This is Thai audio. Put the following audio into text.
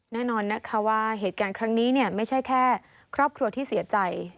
แน่นอนนะคะว่าเหตุการณ์ครั้งนี้ไม่ใช่แค่ครอบครัวที่เสียใจ